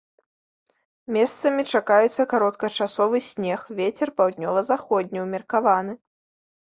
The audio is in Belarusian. Месцамі чакаецца кароткачасовы снег, вецер паўднёва-заходні, умеркаваны.